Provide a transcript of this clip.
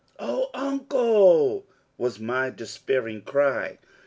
"Oh, Uncle!" was my despairing cry.